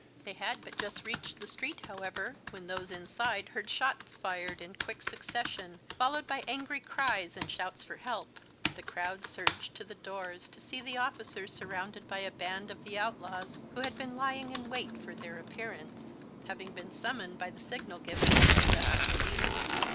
They had but just reached the street, however, when those inside heard shots fired in quick succession, followed by angry cries and shouts for help. The crowd surged to the doors, to see the officers surrounded by a band of the outlaws who had been lying in wait for their appearance, having been summoned by the signal given on the arrest of the leader.